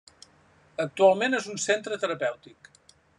Actualment és un centre terapèutic.